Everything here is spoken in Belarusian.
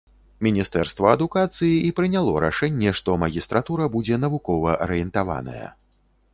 Міністэрства адукацыі і прыняло рашэнне, што магістратура будзе навукова-арыентаваная.